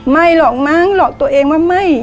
ไม่หรอกมั้งหลอกตัวเองว่าไม่